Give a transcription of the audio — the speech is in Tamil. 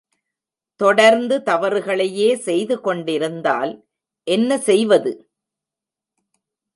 தொடர்ந்து தவறுகளையே செய்து கொண்டிருந்தால் என்ன செய்வது?